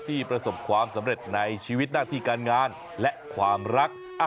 ประสบความสำเร็จในชีวิตหน้าที่การงานและความรัก